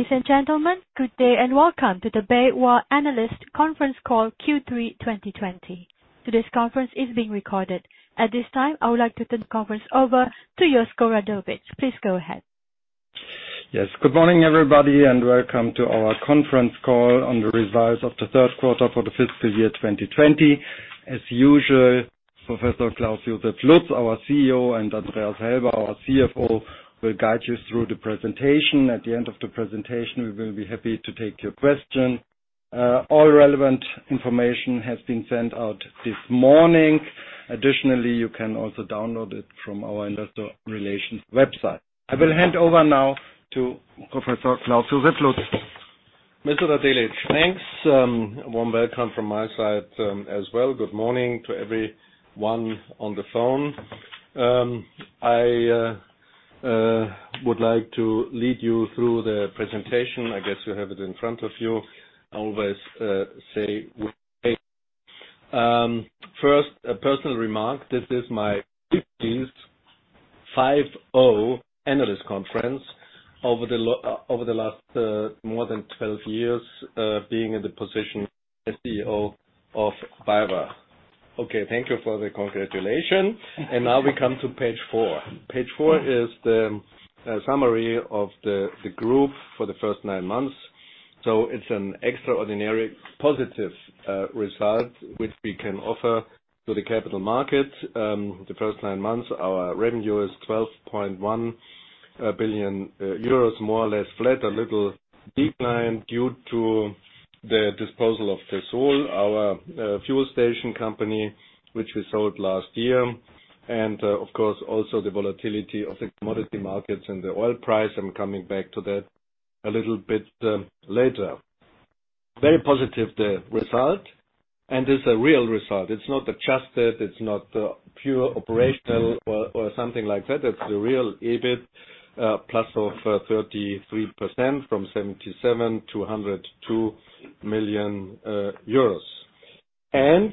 Ladies and gentlemen, good day and welcome to the BayWa Analyst Conference Call Q3 2020. Today's conference is being recorded. At this time, I would like to turn the conference over to Josko Radeljic. Please go ahead. Yes. Good morning, everybody, and welcome to our conference call on the results of the third quarter for the fiscal year 2020. As usual, Professor Klaus Josef Lutz, our CEO, and Andreas Helber, our CFO, will guide you through the presentation. At the end of the presentation, we will be happy to take your question. All relevant information has been sent out this morning. Additionally, you can also download it from our investor relations website. I will hand over now to Professor Klaus Josef Lutz. Mr. Radeljic, thanks. A warm welcome from my side as well. Good morning to everyone on the phone. I would like to lead you through the presentation. I guess you have it in front of you. I always say, first, a personal remark. This is my 50th, 50, analyst conference over the last more than 12 years of being in the position as CEO of BayWa. Okay, thank you for the congratulations. Now we come to page four. Page four is the summary of the group for the first nine months. It's an extraordinary positive result, which we can offer to the capital market. The first nine months, our revenue is 12.1 billion euros, more or less flat. A little decline due to the disposal of Tessol, our fuel station company, which we sold last year. Of course, also the volatility of the commodity markets and the oil price. I'm coming back to that a little bit later. Very positive result. It's a real result. It's not adjusted. It's not pure operational or something like that. That's the real EBIT, plus of 33% from 77 million-102 million euros. In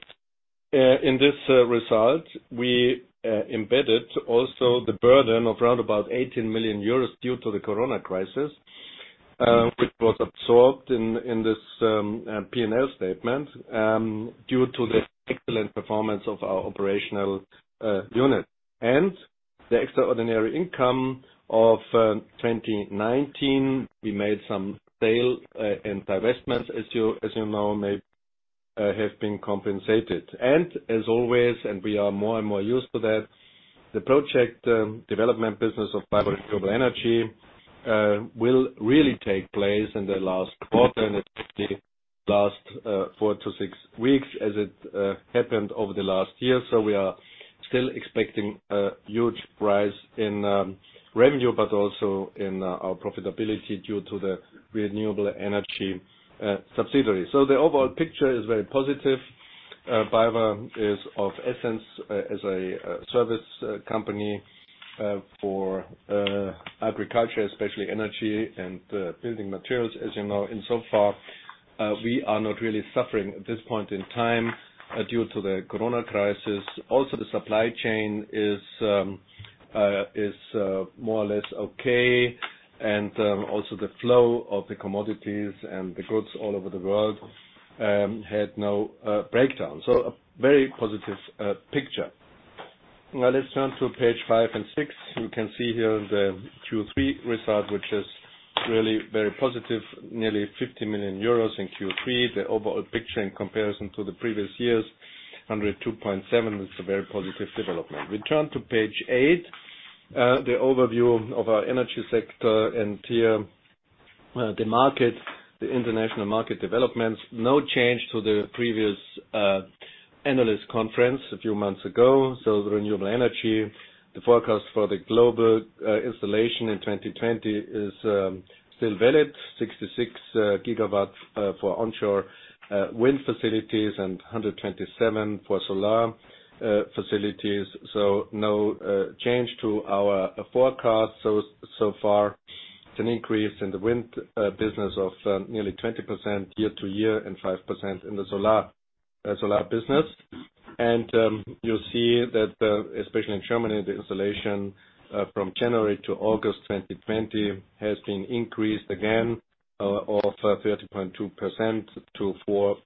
this result, we embedded also the burden of around about 18 million euros due to the corona crisis, which was absorbed in this P&L statement due to the excellent performance of our operational unit. The extraordinary income of 2019. We made some sale and divestments as you know, may have been compensated. As always, and we are more and more used to that, the project development business of BayWa Renewable Energy will really take place in the last quarter and especially last four to six weeks as it happened over the last year. We are still expecting a huge rise in revenue, but also in our profitability due to the renewable energy subsidiary. The overall picture is very positive. BayWa is of essence as a service company for agriculture, especially energy and building materials, as you know. In so far, we are not really suffering at this point in time due to the corona crisis. The supply chain is more or less okay. The flow of the commodities and the goods all over the world had no breakdown. A very positive picture. Now let's turn to page five and six. You can see here the Q3 result, which is really very positive. Nearly 50 million euros in Q3. The overall picture in comparison to the previous years, 102.7, is a very positive development. We turn to page eight, the overview of our energy sector. Here, the market, the international market developments. No change to the previous analyst conference a few months ago. The renewable energy, the forecast for the global installation in 2020 is still valid. 66 GW for onshore wind facilities and 127 for solar facilities. No change to our forecast so far. It's an increase in the wind business of nearly 20% year-over-year and 5% in the solar business. You see that, especially in Germany, the installation from January to August 2020 has been increased again of 30.2% to 4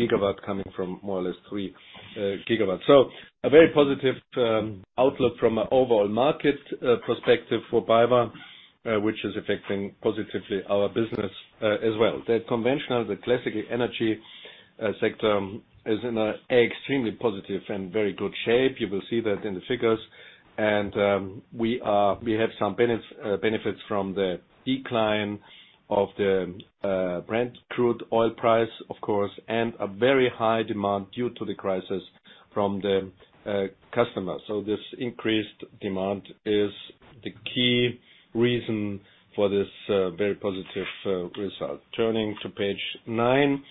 GW coming from more or less 3 GW. A very positive outlook from an overall market perspective for BayWa, which is affecting positively our business as well. The conventional, the classical energy sector is in an extremely positive and very good shape. You will see that in the figures. We have some benefits from the decline of the Brent crude oil price, of course, and a very high demand due to the crisis from the customers. This increased demand is the key reason for this very positive result. Turning to page nine.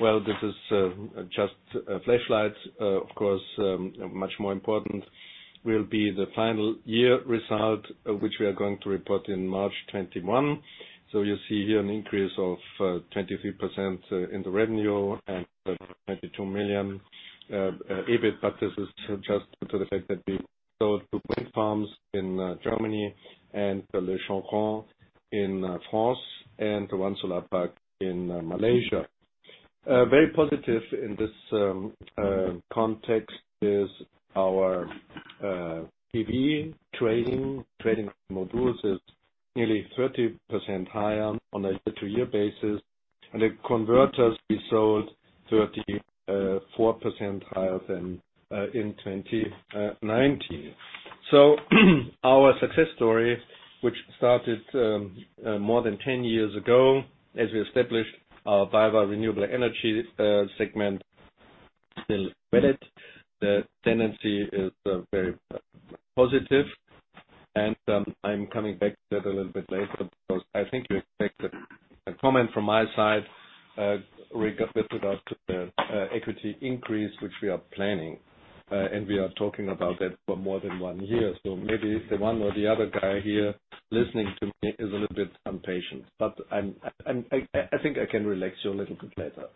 This is just a flashlight. Of course, much more important will be the final year result, which we are going to report in March 2021. You see here an increase of 23% in the revenue and 92 million EBIT, but this is just due to the fact that we sold the wind farms in Germany and the Le Champ Grand in France and one solar park in Malaysia. Very positive in this context is our PV trading. Trading modules is nearly 30% higher on a year-to-year basis, and the converters we sold 34% higher than in 2019. Our success story, which started more than 10 years ago as we established our BayWa Renewable Energy segment, still with it. The tendency is very positive and I'm coming back to that a little bit later, because I think you expect a comment from my side, regarding about the equity increase, which we are planning. We are talking about that for more than one year. Maybe the one or the other guy here listening to me is a little bit impatient, but I think I can relax you a little bit later.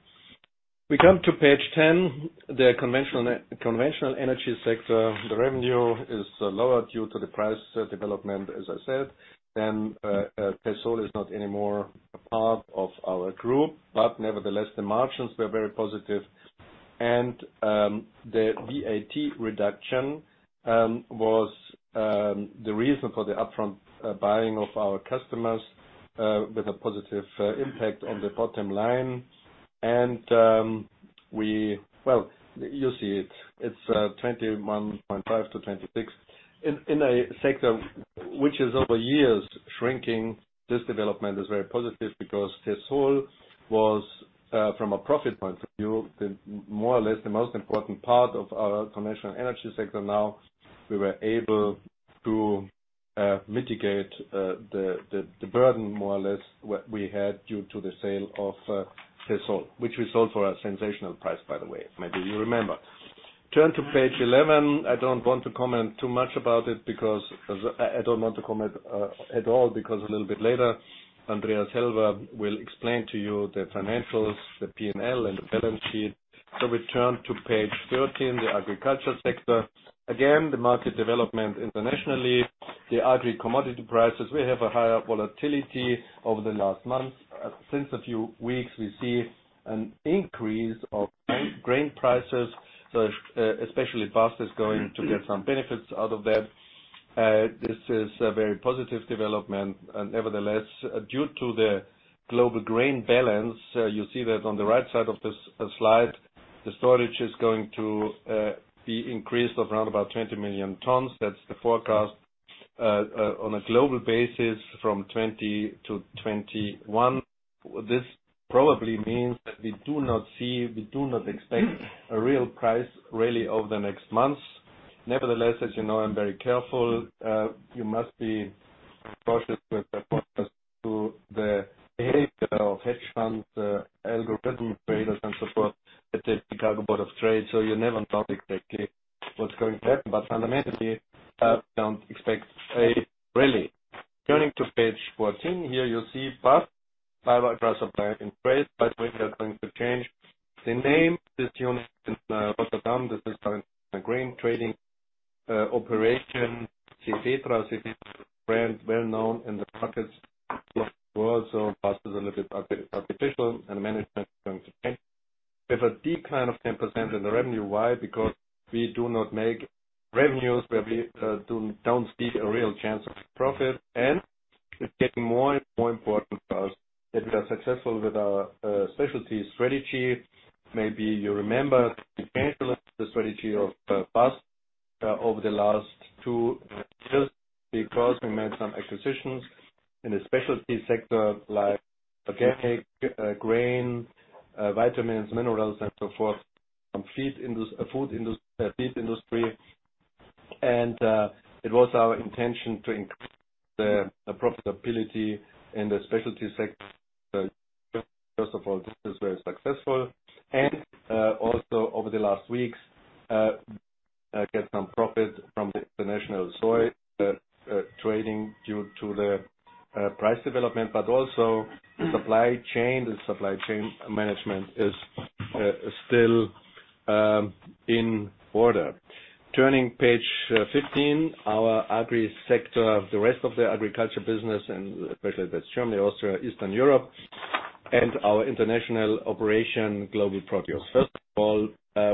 We come to page 10, the conventional energy sector. The revenue is lower due to the price development, as I said. Tessol is not anymore a part of our group, but nevertheless, the margins were very positive and the VAT reduction was the reason for the upfront buying of our customers, with a positive impact on the bottom line. Well, you see it. It's 21.5%-26%. In a sector which is over years shrinking, this development is very positive because Tessol was, from a profit point of view, more or less the most important part of our conventional energy sector. We were able to mitigate the burden, more or less, what we had due to the sale of Tessol. Which we sold for a sensational price, by the way. Maybe you remember. Turn to page 11. I don't want to comment at all because a little bit later, Andreas Helber will explain to you the financials, the P&L and the balance sheet. We turn to page 13, the agricultural sector. Again, the market development internationally, the agri-commodity prices, we have a higher volatility over the last months. Since a few weeks, we see an increase of grain prices. Especially BAST is going to get some benefits out of that. This is a very positive development. Due to the global grain balance, you see that on the right side of this slide, the storage is going to be increased of around about 20 million tons. That's the forecast on a global basis from 2020 to 2021. This probably means that we do not see, we do not expect a real price rally over the next months. As you know, I'm very careful. You must be cautious with reports as to the behavior of hedge funds, algorithm traders, and so forth, at the Chicago Board of Trade. You never know exactly what's going to happen. Fundamentally, I don't expect a rally. Turning to page 14, here you see BAST, BayWa Supply & Trade. By the way, they are going to change the name. This unit in Rotterdam, this is our grain trading operation. Cefetra brand, well known in the markets throughout the world. BAST is a little bit artificial and management is going to change. We have a decline of 10% in the revenue. Why? Because we do not make revenues where we don't see a real chance of a profit. It's getting more and more important for us that we are successful with our specialty strategy. Maybe you remember we changed the strategy of BAST over the last two years because we made some acquisitions in the specialty sector, like organic grain, vitamins, minerals and so forth, from food industry, feed industry. It was our intention to increase the profitability in the specialty sector. First of all, this was very successful. Also over the last weeks, get some profit from the international soy trading due to the price development, but also the supply chain and supply chain management is still in order. Turning page 15, our agri sector, the rest of the agriculture business and especially that's Germany, Austria, Eastern Europe, and our international operation, Global Produce. First of all,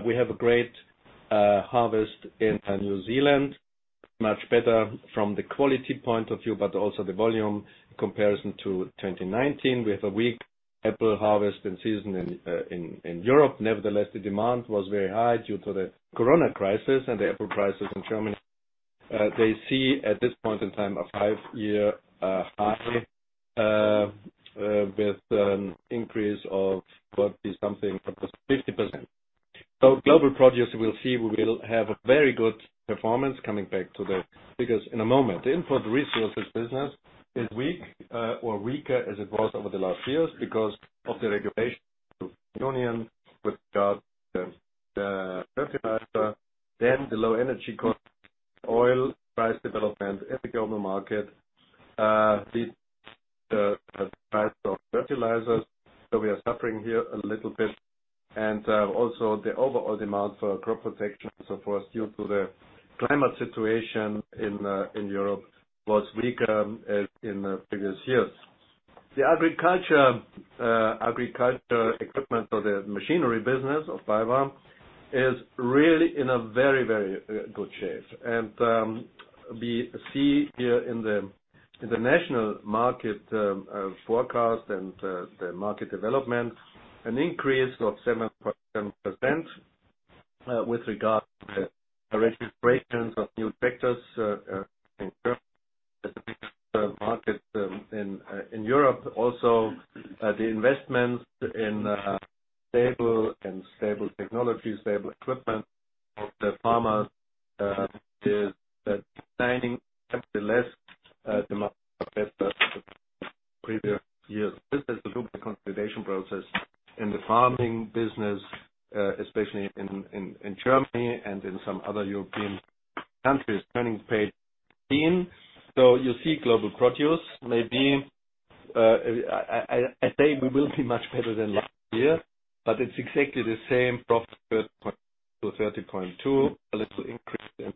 we have a great harvest in New Zealand, much better from the quality point of view, but also the volume comparison to 2019. We have a weak apple harvest and season in Europe. Nevertheless, the demand was very high due to the corona crisis and the apple prices in Germany. They see at this point in time a five-year high with an increase of what is something close to 50%. Global Produce, we'll see we will have a very good performance, coming back to the figures in a moment. The input resources business is weak or weaker as it was over the last years because of the regulation of the Union with regards the fertilizer, then the low energy cost, oil price development in the global market, the price of fertilizers. We are suffering here a little bit. Also, the overall demand for crop protection and so forth, due to the climate situation in Europe, was weaker in previous years. The agriculture equipment or the machinery business of BayWa is really in a very good shape. We see here in the national market forecast and the market development, an increase of 7% with regard to the registrations of new tractors in Europe, specifically the market in Europe. Also, the investments in stable and stable technology, stable equipment of the farmers is declining. Actually, less demand compared to previous years. This has to do with the consolidation process in the farming business, especially in Germany and in some other European countries. Turning to page 15. You see Global Produce we will be much better than last year, but it's exactly the same profit, 30.2%, a little increase.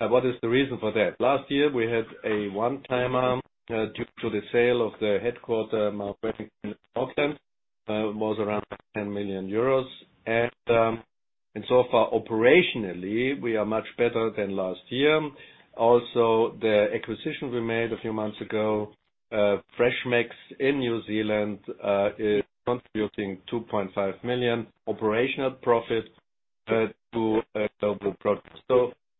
What is the reason for that? Last year, we had a one-timer due to the sale of the headquarter manufacturing in Auckland, it was around 10 million euros. So far, operationally, we are much better than last year. Also, the acquisition we made a few months ago, Freshmax in New Zealand, is contributing 2.5 million operational profit to Global Produce.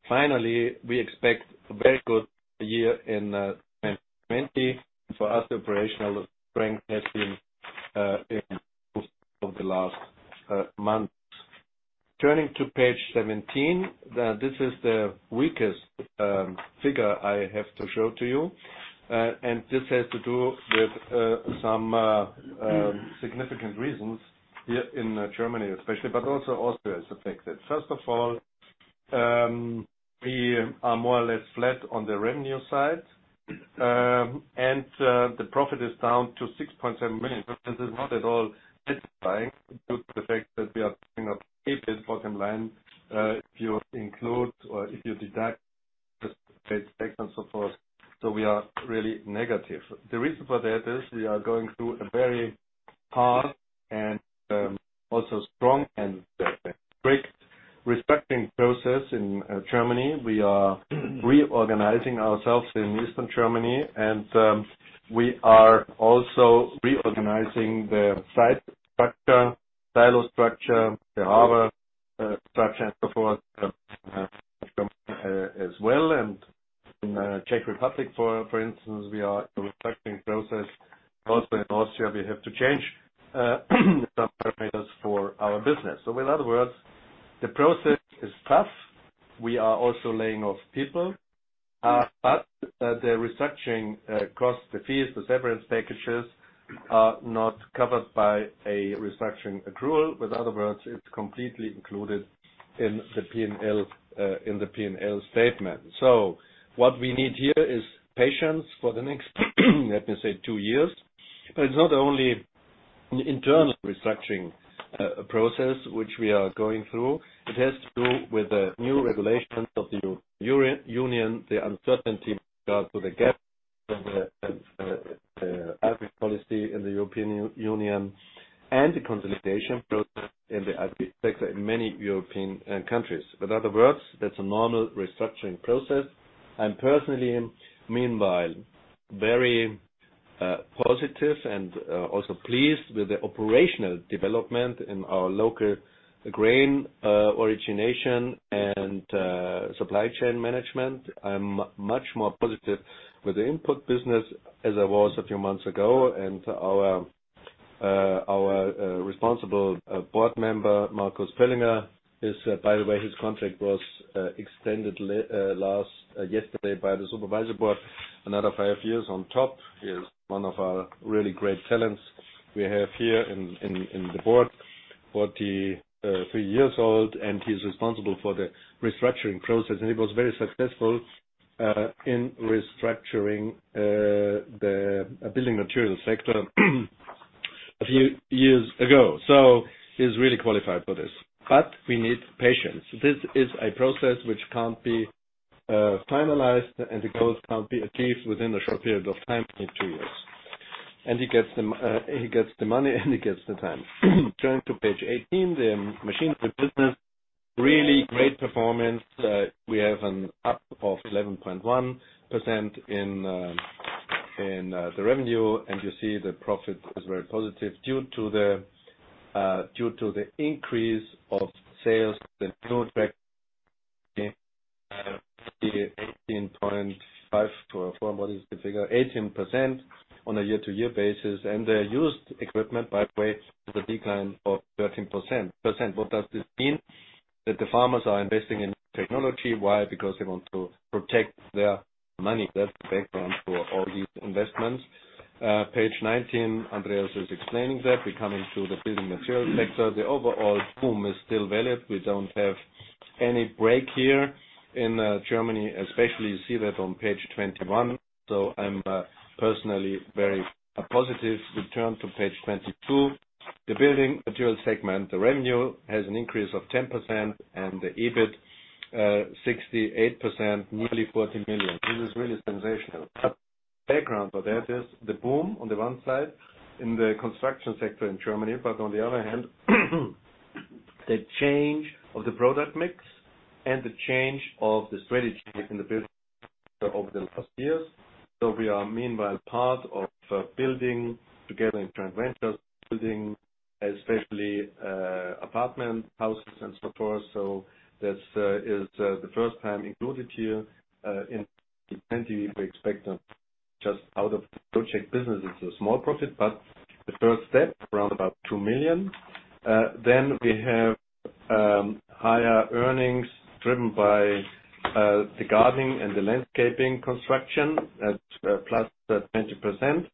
Finally, we expect a very good year in 2020. For us, operational strength has been improved over the last months. Turning to page 17. This is the weakest figure I have to show to you. This has to do with some significant reasons here in Germany especially, but also Austria is affected. First of all, we are more or less flat on the revenue side. The profit is down to 6.7 million. This is not at all satisfying due to the fact that we are talking of EBIT bottom line, if you include or if you deduct the tax and so forth. We are really negative. The reason for that is we are going through a very hard and also strong and strict restructuring process in Germany. We are reorganizing ourselves in Eastern Germany and we are also reorganizing the site structure, silo structure, the harbor structure and so forth as well. In Czech Republic, for instance, we are in a restructuring process. In Austria, we have to change some parameters for our business. In other words, the process is tough. We are also laying off people. The restructuring cost, the fees, the severance packages, are not covered by a restructuring accrual. In other words, it's completely included in the P&L statement. What we need here is patience for the next, let me say, two years. It's not only internal restructuring process which we are going through. It has to do with the new regulations of the European Union, the uncertainty with regard to the CAP and the agri policy in the European Union, and the consolidation process in the sector in many European countries. In other words, that's a normal restructuring process. I'm personally, meanwhile, very positive and also pleased with the operational development in our local grain origination and supply chain management. I'm much more positive with the input business as I was a few months ago. Our responsible board member, Marcus Pöllinger, by the way, his contract was extended yesterday by the Supervisory Board, another five years on top. He is one of our really great talents we have here in the board, 43 years old, and he's responsible for the restructuring process. He was very successful in restructuring the building material sector a few years ago. He's really qualified for this. We need patience. This is a process which can't be finalized and the goals can't be achieved within a short period of time, within two years. He gets the money and he gets the time. Turning to page 18, the machinery business, really great performance. We have an up of 11.1% in the revenue, and you see the profit is very positive due to the increase of sales, the new tractor, 18.5% or what is the figure? 18% on a year-over-year basis. The used equipment, by the way, is a decline of 13%. What does this mean? That the farmers are investing in technology. Why? Because they want to protect their money. That's the background for all these investments. Page 19, Andreas is explaining that. We come into the building materials sector. The overall boom is still valid. We don't have any break here in Germany, especially, you see that on page 21. I'm personally very positive. We turn to page 22. The building materials segment, the revenue has an increase of 10% and the EBIT 68%, nearly 40 million. This is really sensational. Background for that is the boom on the one side in the construction sector in Germany, but on the other hand, the change of the product mix and the change of the strategy within the business over the last years. We are meanwhile part of building together in joint ventures, building especially apartment houses and so forth. That is the first time included here. In Q4 we expect just out of project business, it's a small profit, but the first step around about 2 million. We have higher earnings driven by the gardening and the landscaping construction at +20%.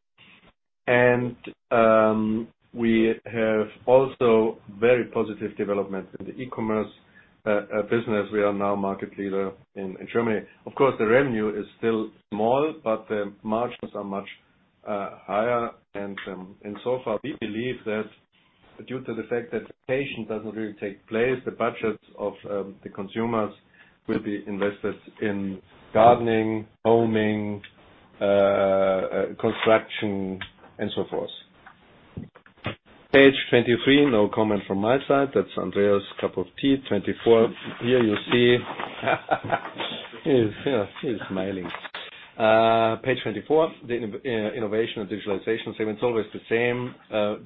We have also very positive developments in the e-commerce business. We are now market leader in Germany. Of course, the revenue is still small, but the margins are much higher. So far, we believe that due to the fact that vacation doesn't really take place, the budgets of the consumers will be invested in gardening, homing, construction, and so forth. Page 23, no comment from my side. That's Andreas' cup of tea. 24. He's smiling. Page 24, the innovation and digitalization segment is always the same.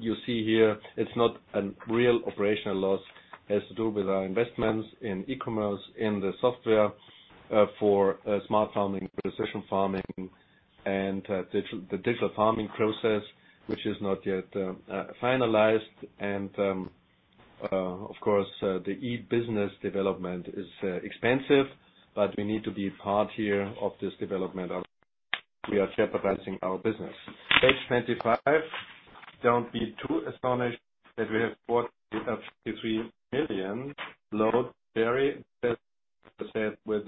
You see here, it's not a real operational loss. It has to do with our investments in e-commerce, in the software for smart farming, precision farming, and the digital farming process, which is not yet finalized. Of course, the e-business development is expensive, but we need to be part here of this development or we are jeopardizing our business. Page 25. Don't be too astonished that we have 453 million load carry. That said with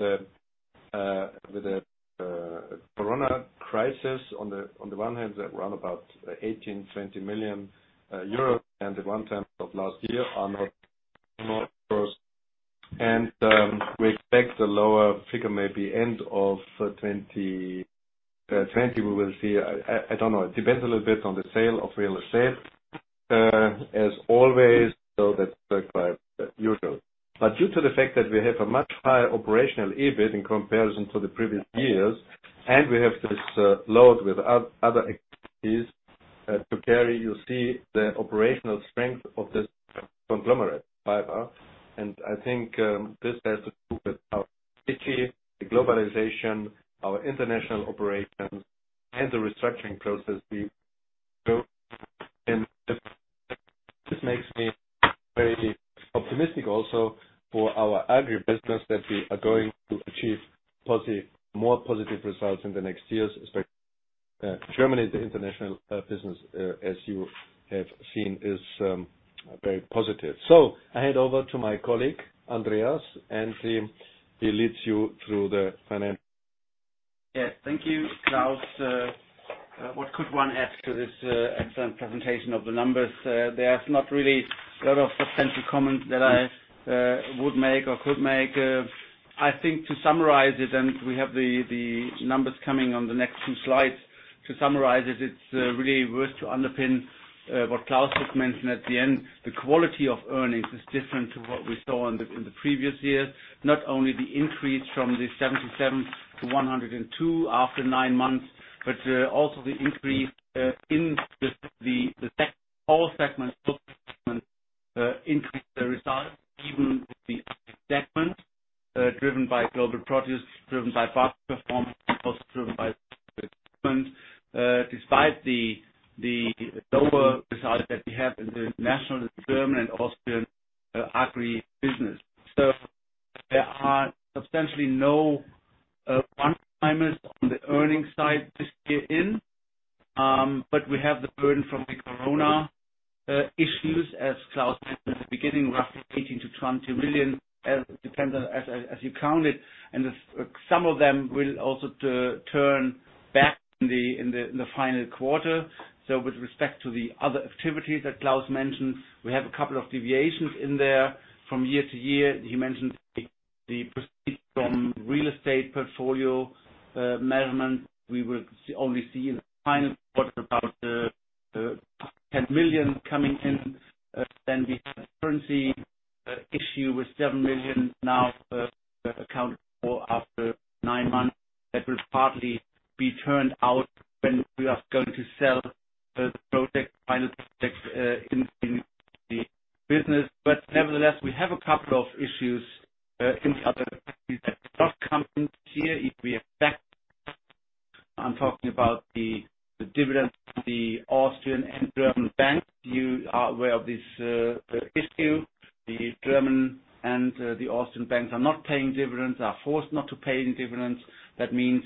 the corona crisis on the one hand, around about 18 million-20 million euros and the one-timers of last year are not and we expect the lower figure may be end of 2020. We will see. I don't know. It depends a little bit on the sale of real estate. As always, that's usual. Due to the fact that we have a much higher operational EBIT in comparison to the previous years, and we have this load with other activities to carry, you see the operational strength of this conglomerate, BayWa, and I think this has to do with our strategy, the globalization, our international operations, and the restructuring process we go in. This makes me very optimistic also for our agri business that we are going to achieve more positive results in the next years, especially Germany. The international business, as you have seen, is very positive. I hand over to my colleague, Andreas, and he leads you through the financial. Yes. Thank you, Klaus. What could one add to this excellent presentation of the numbers? There's not really a lot of substantial comments that I would make or could make. I think to summarize it, and we have the numbers coming on the next two slides. To summarize it's really worth to underpin what Klaus just mentioned at the end. The quality of earnings is different to what we saw in the previous years. Not only the increase from the 77 to 102 after nine months, but also the increase in all segments. All segments increased their results, even with the agri segment, driven by Global Produce, driven by BAST performance, also driven by segment. Despite the lower results that we have in the national, German, and Austrian agri business. There are substantially no one-timers on the earnings side this year in, but we have the burden from the corona issues as Klaus mentioned at the beginning, roughly 18 million-20 million. It depends as you count it. Some of them will also turn back in the final quarter. With respect to the other activities that Klaus mentioned, we have a couple of deviations in there from year-to-year. He mentioned the proceeds from real estate portfolio management. We will only see in the final quarter about 10 million coming in. We have a currency issue with 7 million now accounted for after nine months that will partly be turned out when we are going to sell the project, final projects in the business. Nevertheless, we have a couple of issues in the other activities that have not come in this year. If we expect, I'm talking about the dividends from the Austrian and German banks. You are aware of this issue. The German and the Austrian banks are not paying dividends, are forced not to pay any dividends. This means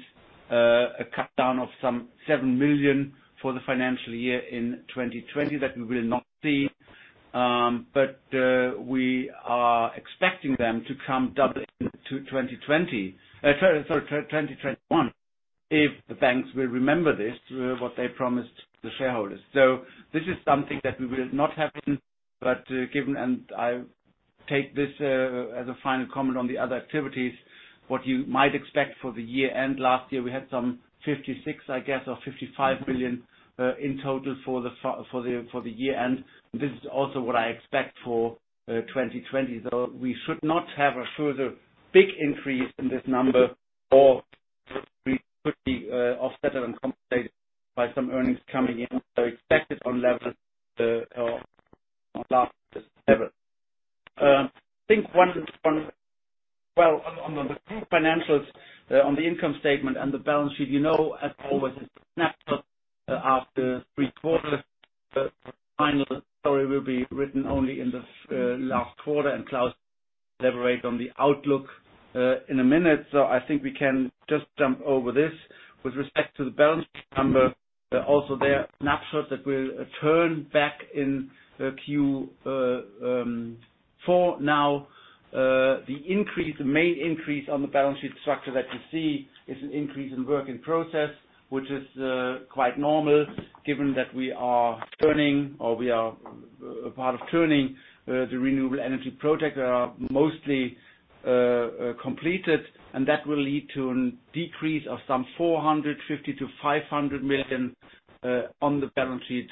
a cutdown of some 7 million for the financial year in 2020 that we will not see. We are expecting them to come double in to 2020. Sorry, 2021 if the banks will remember this, what they promised the shareholders. This is something that we will not have but given, and I take this as a final comment on the other activities, what you might expect for the year-end last year, we had some 56 million, I guess, or 55 million, in total for the year-end. This is also what I expect for 2020, though we should not have a further big increase in this number, or we could be offset or compensated by some earnings coming in. Expected on level of last December. Well, on the group financials, on the income statement and the balance sheet, you know as always it's a snapshot after three quarters. The final story will be written only in the last quarter and Klaus will elaborate on the outlook in a minute. I think we can just jump over this. With respect to the balance sheet number, also there, a snapshot that will turn back in Q4. Now, the main increase on the balance sheet structure that you see is an increase in work in process, which is quite normal given that we are turning, or we are a part of turning the renewable energy projects that are mostly completed, and that will lead to a decrease of some 450 million-500 million on the balance sheet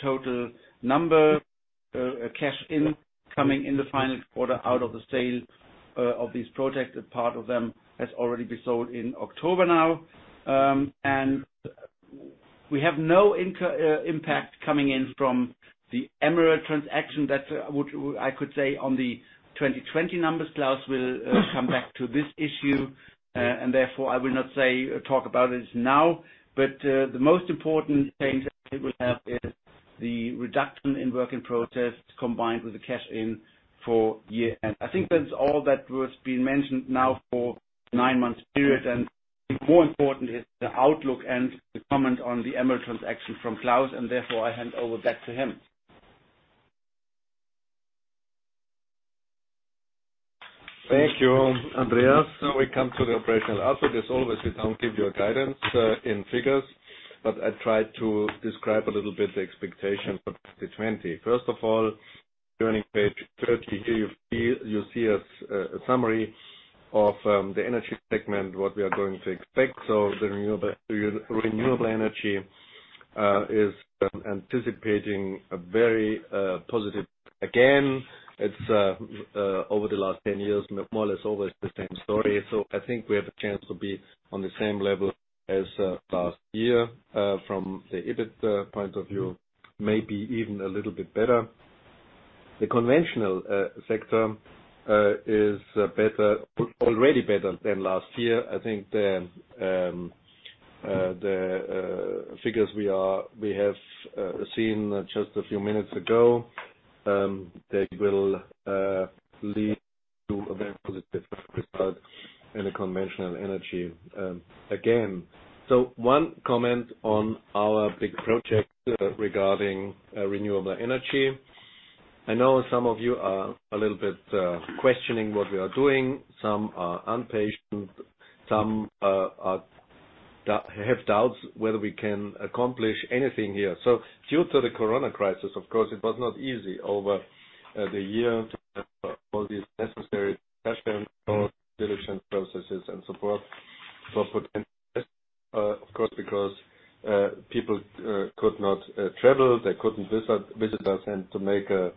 total number. Cash incoming in the final quarter out of the sale of these projects. A part of them has already been sold in October now. We have no impact coming in from the Emerald transaction that I could say on the 2020 numbers. Klaus will come back to this issue, and therefore I will not talk about it now. The most important change that we have is the reduction in work in process combined with the cash in for year-end. I think that's all that was being mentioned now for nine months period. More important is the outlook and the comment on the Emerald transaction from Klaus. Therefore, I hand over back to him. Thank you, Andreas. We come to the operational outlook. As always, we don't give you a guidance in figures, I try to describe a little bit the expectation for 2020. First of all, turning page 30. Here you see a summary of the energy segment, what we are going to expect. The renewable energy is anticipating a very positive again. It's over the last 10 years, more or less always the same story. I think we have a chance to be on the same level as last year, from the EBIT point of view, maybe even a little bit better. The conventional sector is already better than last year. I think the figures we have seen just a few minutes ago, they will lead to a very positive result in the conventional energy again. One comment on our big project regarding renewable energy. I know some of you are a little bit questioning what we are doing. Some are impatient. Some have doubts whether we can accomplish anything here. Due to the corona crisis, of course, it was not easy over the year to have all these necessary due diligence processes and support. Of course, because people could not travel, they couldn't visit us. To make a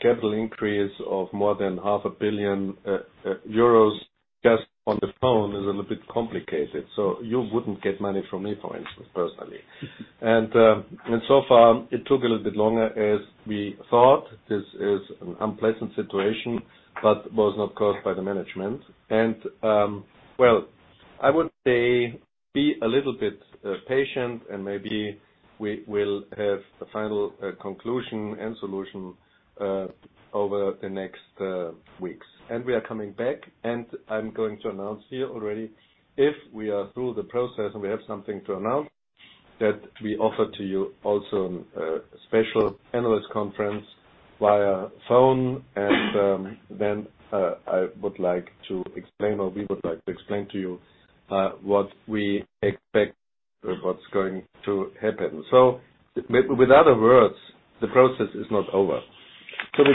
capital increase of more than 500 million euros just on the phone is a little bit complicated. You wouldn't get money from me, for instance, personally. So far it took a little bit longer as we thought. This is an unpleasant situation, but was not caused by the management. Well, I would say be a little bit patient and maybe we will have a final conclusion and solution over the next weeks. We are coming back and I'm going to announce here already, if we are through the process and we have something to announce, that we offer to you also a special analyst conference via phone and then I would like to explain, or we would like to explain to you, what we expect or what's going to happen. With other words, the process is not over. We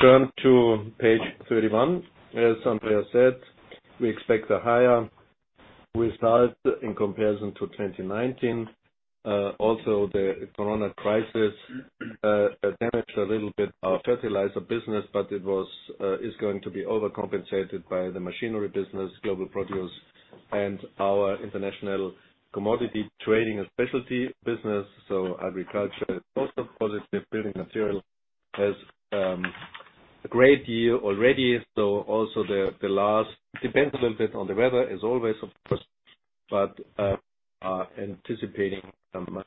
turn to page 31. As Andreas said, we expect a higher result in comparison to 2019. The corona crisis damaged a little bit our fertilizer business, but it is going to be overcompensated by the machinery business, Global Produce, and our international commodity trading and specialty business. Agriculture is also positive. Building material has a great year already. Also the last, depends a little bit on the weather as always, of course, but are anticipating a much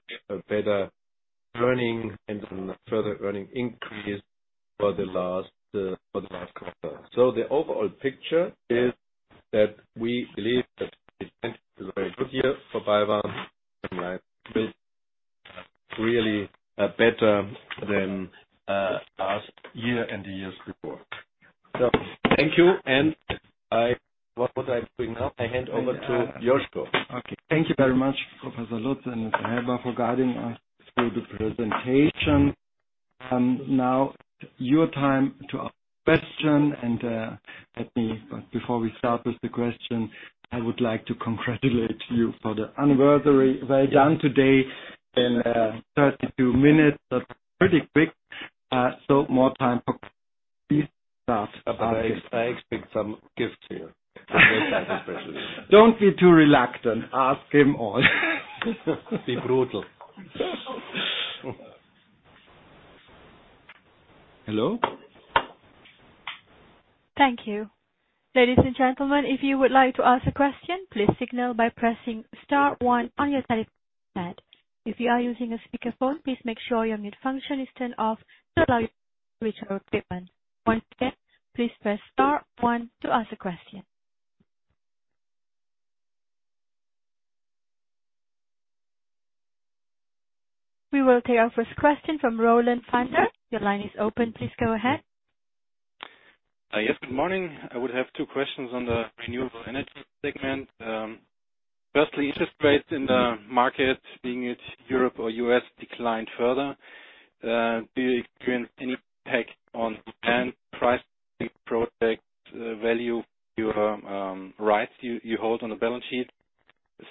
better earning and further earning increase for the last quarter. The overall picture is that we believe that 2020 is a very good year for BayWa really better than last year and the years before. Thank you. What would I bring up? I hand over to Josko. Okay. Thank you very much, Professor Lutz and Helber, for guiding us through the presentation. Now your time to ask question, before we start with the question, I would like to congratulate you for the anniversary. Well done today in 32 minutes. That's pretty quick. More time for start. I expect some gifts here. Don't be too reluctant. Ask him all. Be brutal. Hello? Thank you. Ladies and gentlemen, if you would like to ask a question, please signal by pressing star one on your telephone pad. If you are using a speakerphone, please make sure your mute function is turned off to allow you to reach our equipment. Once again, please press star one to ask a question. We will take our first question from Roland Pfänder. Your line is open. Please go ahead. Yes, good morning. I would have two questions on the renewable energy segment. Firstly, interest rates in the market, be it Europe or U.S., declined further. Do you experience any impact on demand pricing, project value, your rights you hold on the balance sheet?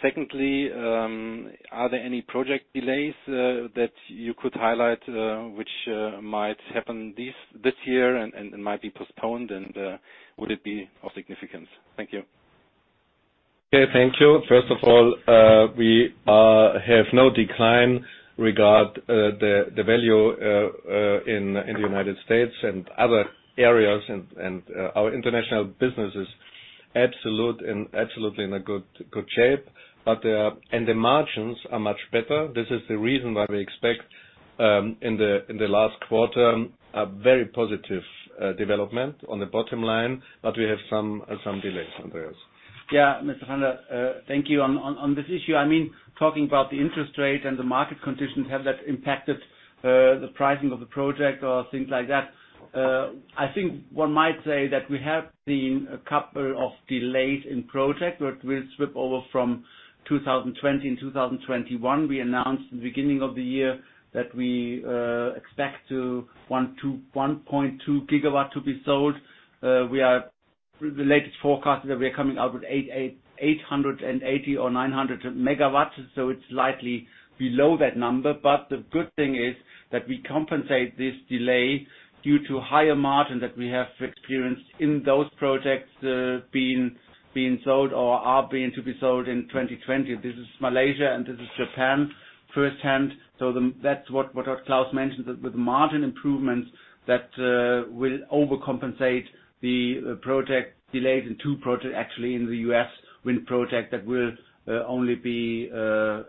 Secondly, are there any project delays that you could highlight, which might happen this year and might be postponed, and would it be of significance? Thank you. Okay, thank you. First of all, we have no decline regard the value in the United States and other areas, and our international business is absolutely in a good shape. The margins are much better. This is the reason why we expect, in the last quarter, a very positive development on the bottom line, but we have some delays, Andreas. Mr. Pfänder, thank you. On this issue, talking about the interest rate and the market conditions, have that impacted the pricing of the project or things like that? I think one might say that we have seen a couple of delays in project, we'll sweep over from 2020 and 2021. We announced in the beginning of the year that we expect to 1.2 GW to be sold. The latest forecast is that we are coming out with 880 or 900 MW, it's slightly below that number. The good thing is that we compensate this delay due to higher margin that we have experienced in those projects being sold or are being to be sold in 2020. This is Malaysia and this is Japan firsthand. That's what Klaus mentioned, with margin improvements that will overcompensate the project delays in two projects, actually, in the U.S. Wind project that will only be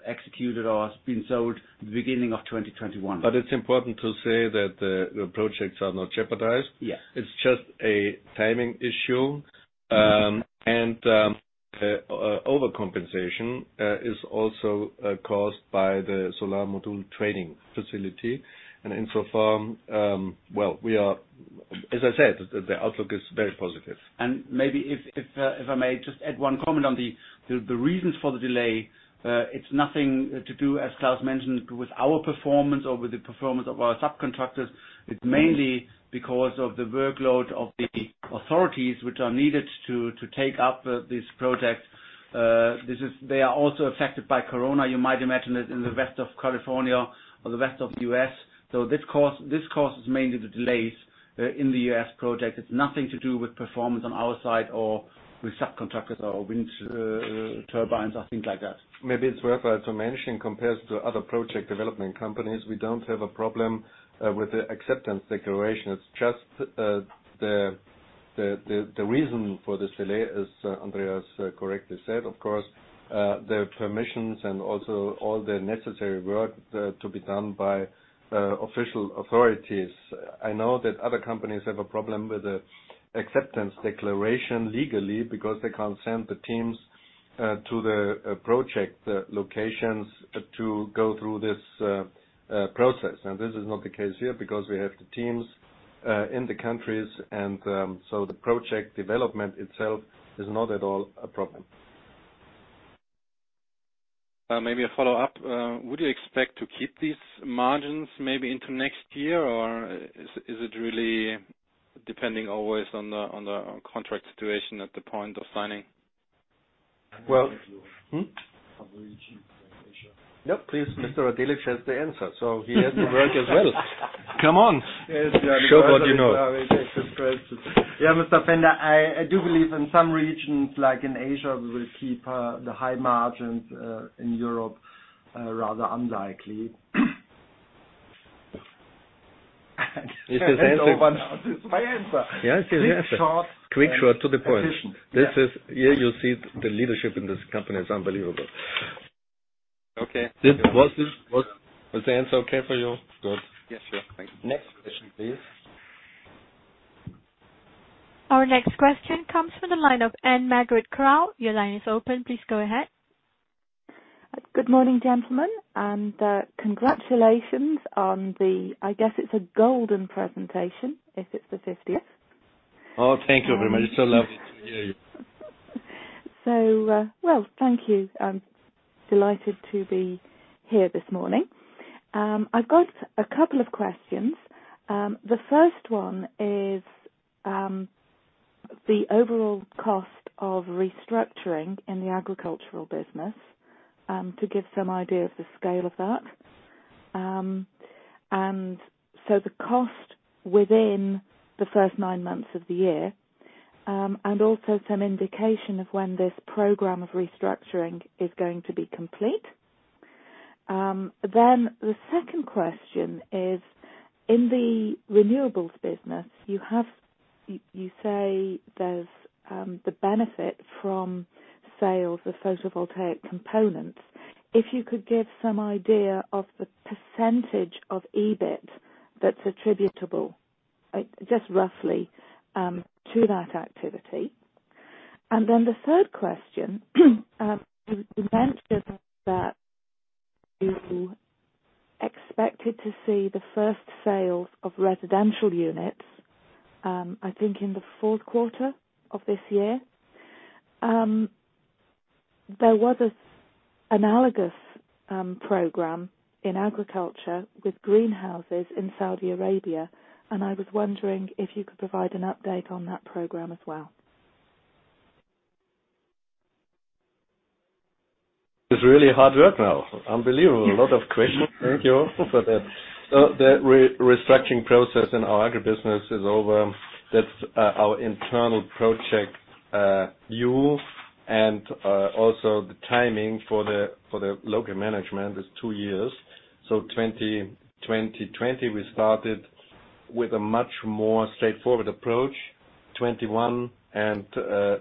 executed or has been sold at the beginning of 2021. It's important to say that the projects are not jeopardized. Yes. It's just a timing issue. Overcompensation is also caused by the solar module trading facility. Insofar, well, as I said, the outlook is very positive. Maybe if I may just add one comment on the reasons for the delay. It's nothing to do, as Klaus mentioned, with our performance or with the performance of our subcontractors. It's mainly because of the workload of the authorities which are needed to take up these projects. They are also affected by corona. You might imagine it in the rest of California or the rest of the U.S. This causes mainly the delays in the U.S. project. It's nothing to do with performance on our side or with subcontractors or wind turbines or things like that. Maybe it's worth also mentioning, compared to other project development companies, we don't have a problem with the acceptance declaration. It's just the reason for this delay, as Andreas correctly said, of course, the permissions and also all the necessary work to be done by official authorities. I know that other companies have a problem with the acceptance declaration legally because they can't send the teams to the project locations to go through this process. Now, this is not the case here because we have the teams in the countries. The project development itself is not at all a problem. Maybe a follow-up. Would you expect to keep these margins maybe into next year, or is it really depending always on the contract situation at the point of signing? Well. Hmm? No, please. Mr. Radeljic has the answer, so he has to work as well. Come on. Show what you know. Yes, Mr. Pfänder, I do believe in some regions, like in Asia, we will keep the high margins. In Europe, rather unlikely. That's over now. That's my answer. Yes, it is the answer. Quick, short. Quick, short, to the point. Precise. Yeah. Here you see the leadership in this company is unbelievable. Okay. Was the answer okay for you? Good. Yes, sure. Thank you. Next question, please. Our next question comes from the line of Anne Margaret Crow. Your line is open. Please go ahead. Good morning, gentlemen. Congratulations on the, I guess it's a golden presentation, if it's the 50th. Oh, thank you very much. Lovely to hear you. Well, thank you. I'm delighted to be here this morning. I've got a couple of questions. The first one is the overall cost of restructuring in the agricultural business, to give some idea of the scale of that. The cost within the first nine months of the year. Also, some indication of when this program of restructuring is going to be complete? The second question is, in the renewables business, you say there's the benefit from sales of photovoltaic components. If you could give some idea of the percentage of EBIT that's attributable, just roughly, to that activity? The third question, you mentioned that you expected to see the first sales of residential units, I think in the fourth quarter of this year. There was an analogous program in agriculture with greenhouses in Saudi Arabia, and I was wondering if you could provide an update on that program as well. It's really hard work now. Unbelievable. A lot of questions. Thank you for that. The restructuring process in our agribusiness is over. That's our internal project view. Also, the timing for the local management is two years. 2020, we started with a much more straightforward approach, 2021 and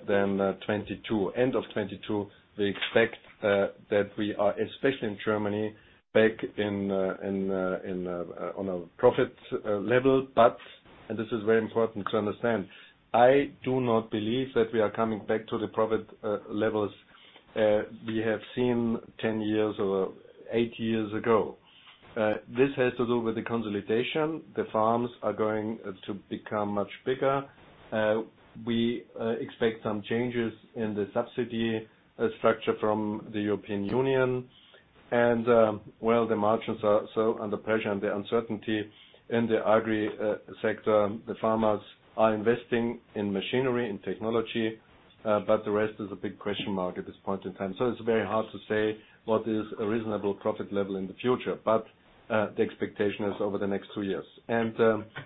then 2022. End of 2022, we expect that we are, especially in Germany, back on a profit level. This is very important to understand, I do not believe that we are coming back to the profit levels we have seen 10 years or eight years ago. This has to do with the consolidation. The farms are going to become much bigger. We expect some changes in the subsidy structure from the European Union and, well, the margins are under pressure and the uncertainty in the agri sector. The farmers are investing in machinery and technology. The rest is a big question mark at this point in time. It's very hard to say what is a reasonable profit level in the future. The expectation is over the next two years.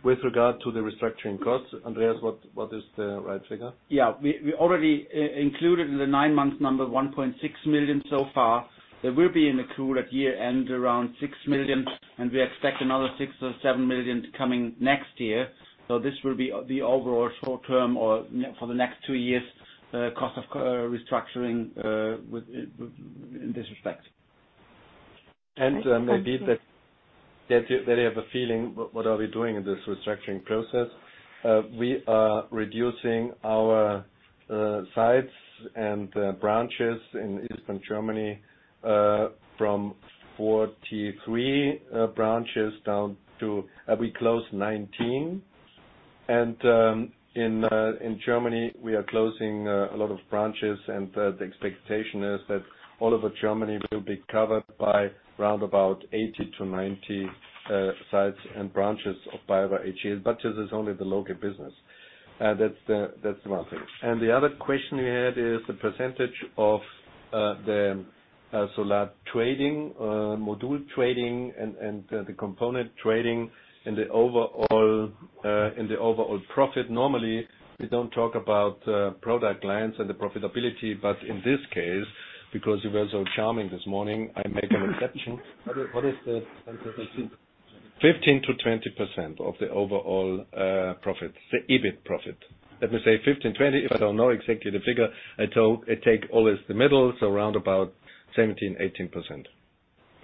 With regard to the restructuring costs, Andreas, what is the right figure? Yeah. We already included in the nine-month number, 1.6 million so far. That will be in the fuller year-end, around 6 million, and we expect another 6 million-7 million coming next year. This will be the overall short-term or for the next two years, cost of restructuring in this respect. Maybe that they have a feeling, what are we doing in this restructuring process? We are reducing our sites and branches in Eastern Germany from 43 branches. We closed 19 and in Germany we are closing a lot of branches. The expectation is that all over Germany we will be covered by round about 80 to 90 sites and branches of BayWa r.e. This is only the local business. That's one thing. The other question you had is the percentage of the solar trading, module trading, and the component trading in the overall profit. Normally, we don't talk about product lines and the profitability, but in this case, because you were so charming this morning, I make an exception. What is the percentage? 15%-20% of the overall profit, the EBIT profit. Let me say 15%, 20%. If I don't know exactly the figure, I take always the middle. Around about 17%-18%.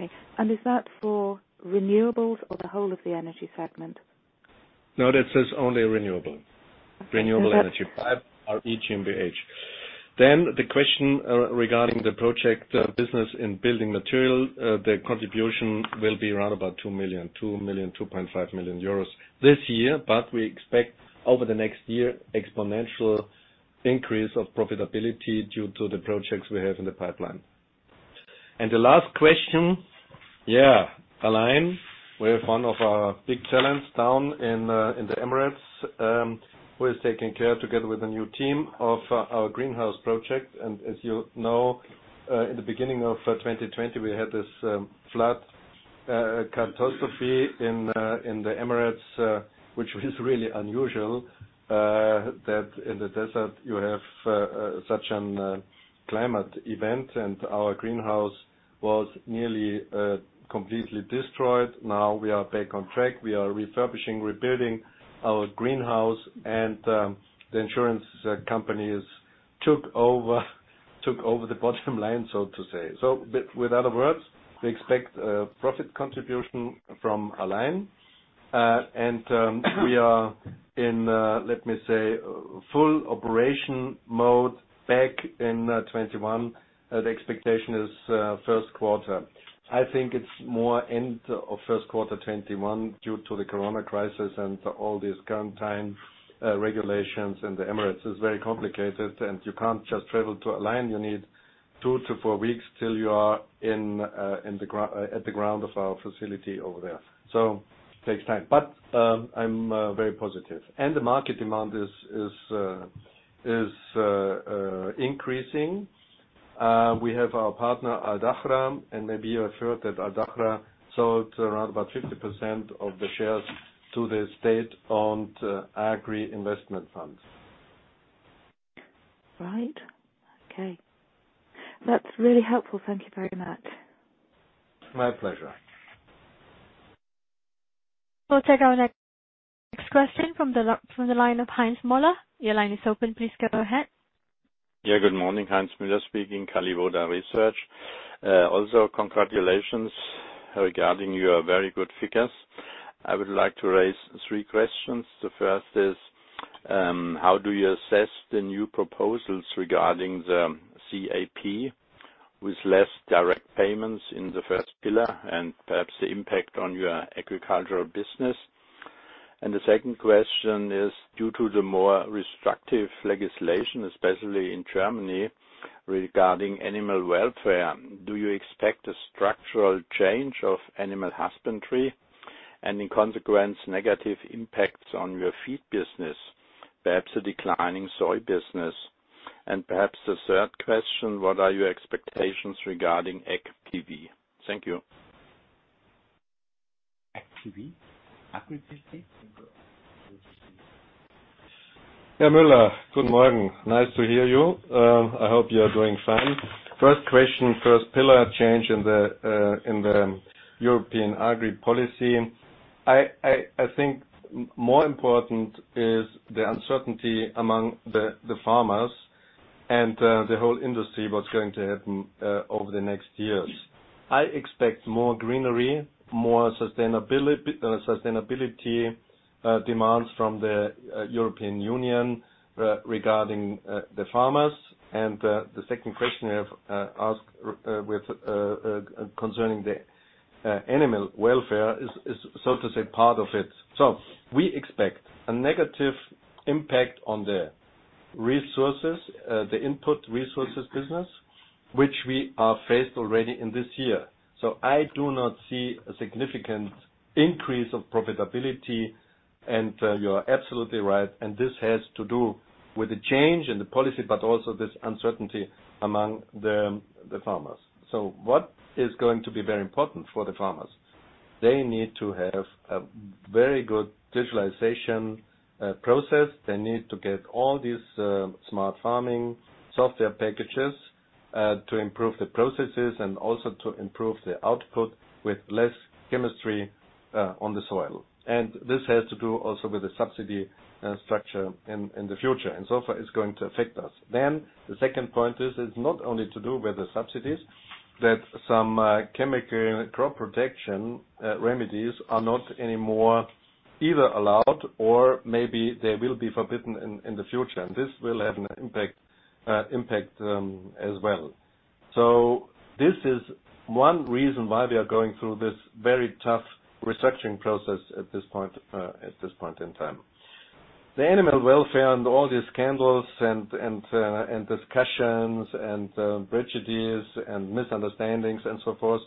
Okay. Is that for renewables or the whole of the energy segment? No, that is only renewable. Renewable energy. BayWa r.e. GmbH. The question regarding the project business in building material. The contribution will be around about 2 million-2.5 million euros this year. We expect over the next year exponential increase of profitability due to the projects we have in the pipeline. The last question. Al Ain, we have one of our big talents down in the Emirates, who is taking care, together with a new team, of our greenhouse project. As you know, in the beginning of 2020, we had this flood catastrophe in the Emirates, which was really unusual, that in the desert you have such a climate event. Our greenhouse was nearly completely destroyed. Now we are back on track. We are refurbishing, rebuilding our greenhouse. The insurance companies took over the bottom line, so to say. With other words, we expect a profit contribution from Al Ain. We are in, let me say, full operation mode back in 2021. The expectation is first quarter. I think it's more end of first quarter 2021 due to the corona crisis and all these quarantine regulations in the Emirates. It's very complicated, and you can't just travel to Al Ain. You need two to four weeks till you are at the ground of our facility over there. It takes time, but I'm very positive. The market demand is increasing. We have our partner, Al Dahra. Maybe you have heard that Al Dahra sold around about 50% of the shares to the state-owned agri investment funds. Right. Okay. That's really helpful. Thank you very much. My pleasure. We'll take our next question from the line of Heinz Müller. Your line is open. Please go ahead. Yeah, good morning. Heinz Müller speaking, Kalliwoda Research. Also, congratulations regarding your very good figures. I would like to raise three questions. The first is, how do you assess the new proposals regarding the CAP with less direct payments in the first pillar and perhaps the impact on your agricultural business? The second question is, due to the more restrictive legislation, especially in Germany, regarding animal welfare, do you expect a structural change of animal husbandry and in consequence, negative impacts on your feed business, perhaps a declining soy business? Perhaps the third question, what are your expectations regarding ag PV? Thank you. Ag PV? Agriculture PV? Heinz Müller, good morning. Nice to hear you. I hope you are doing fine. First question, first pillar change in the European agri policy. I think more important is the uncertainty among the farmers and the whole industry, what is going to happen over the next years. I expect more greenery, more sustainability demands from the European Union regarding the farmers. The second question you have asked concerning the animal welfare is, so to say, part of it. We expect a negative impact on the input resources business, which we are faced already in this year. I do not see a significant increase of profitability, and you are absolutely right, and this has to do with the change in the policy, but also this uncertainty among the farmers. What is going to be very important for the farmers? They need to have a very good digitalization process. They need to get all these smart farming software packages, to improve the processes and also to improve the output with less chemistry on the soil. This has to do also with the subsidy structure in the future, and so far it's going to affect us. The second point is, it's not only to do with the subsidies, that some chemical crop protection remedies are not anymore either allowed or maybe they will be forbidden in the future, and this will have an impact as well. This is one reason why we are going through this very tough restructuring process at this point in time. The animal welfare and all these scandals and discussions and prejudices and misunderstandings and so forth,